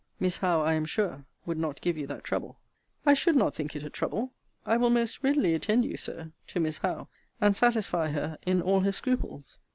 Miss Howe, I am sure, would not give you that trouble. I should not think it a trouble. I will most readily attend you, Sir, to Miss Howe, and satisfy her in all her scruples.